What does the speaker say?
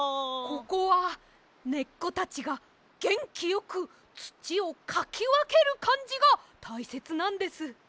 ここはねっこたちがげんきよくつちをかきわけるかんじがたいせつなんです。